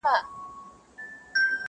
« په هجران کي غم د یار راسره مل دی٫